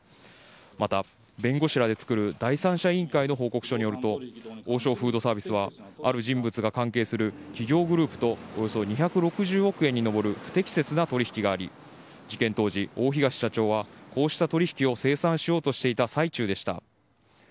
また弁護士らでつくる第三者委員会の報告書によると王将フードサービスはある人物が関係する企業グループとおよそ２６０億円に上る不適切な取引があり事件当時、大東社長はこうした取引を清算しようとしていた最中でした。